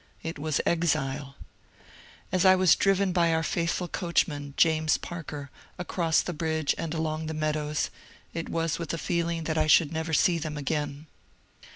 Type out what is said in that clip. It was exile. As I was driven by our faithful coachman, James Parker, across the bridge and along the meadows, it was with a feeling that I should never see them again.